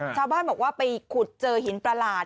ชาวบ้านบอกว่าไปขุดเจอหินประหลาด